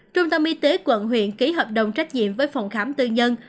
trung tâm y tế quận huyện ký hợp đồng trách nhiệm với phòng khám tư nhân